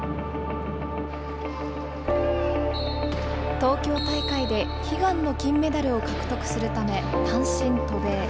東京大会で悲願の金メダルを獲得するため、単身渡米。